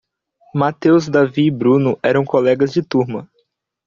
Matheus, Davi e Bruno eram colegas de turma.